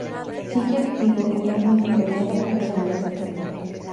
Sigue activo y es monitoreado con regularidad.